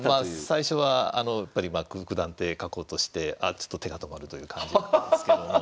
最初はやっぱり「九段」って書こうとしてちょっと手が止まるという感じだったんですけども。